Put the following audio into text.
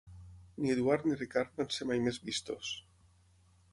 Ni Eduard ni Ricard van ser mai més vistos.